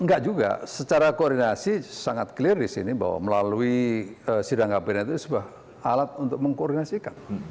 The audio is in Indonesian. enggak juga secara koordinasi sangat clear di sini bahwa melalui sidang kabinet itu sebuah alat untuk mengkoordinasikan